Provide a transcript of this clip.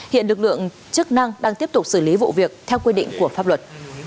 hiện lực lượng chức năng đang tiếp tục xử lý vụ việc theo quy định của pháp luật